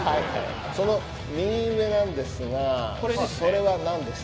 その右上なんですがそれは何ですか？